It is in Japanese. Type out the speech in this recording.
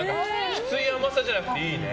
きつい甘さじゃなくていいね。